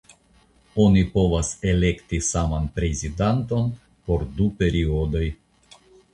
Oni povas elekti saman prezidanton por du periodoj.